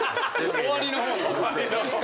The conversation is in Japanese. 終わりの方の。